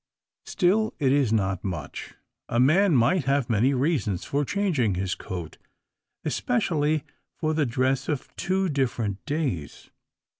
Still, it is not much. A man might have many reasons for changing his coat, especially for the dress of two different days.